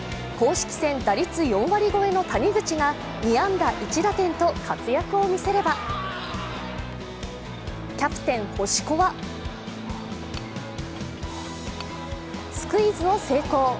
公式戦、打率４割超えの谷口が２安打１打点と活躍を見せればキャプテン・星子はスクイズを成功。